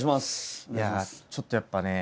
いやちょっとやっぱね